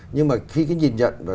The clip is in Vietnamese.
nhưng mà khi nhìn nhận